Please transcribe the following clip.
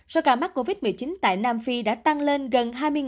do ca mắc covid một mươi chín tại nam phi đã tăng lên gần hai mươi tháng